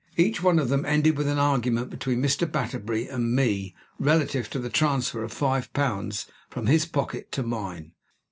Each one of them ended with an argument between Mr. Batterbury and me relative to the transfer of five pounds from his pocket to mine.